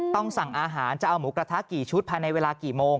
ต้องสั่งอาหารจะเอาหมูกระทะกี่ชุดภายในเวลากี่โมง